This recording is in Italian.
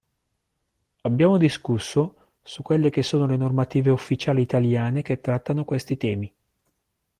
Abbiamo discusso su quelle che sono le normative ufficiali Italiane che trattano questi temi.